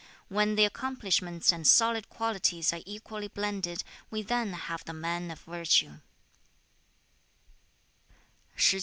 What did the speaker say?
When the accomplishments and solid qualities are equally blended, we then have the man of virtue.'